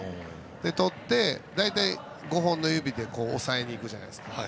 とって、５本の指で押さえにいくじゃないですか。